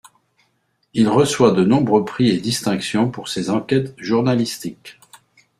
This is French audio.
Il reçoit de nombreux prix et distinctions pour ses enquêtes journalistiques.